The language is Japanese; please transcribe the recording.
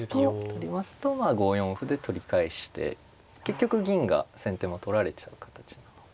取りますと５四歩で取り返して結局銀が先手も取られちゃう形なので。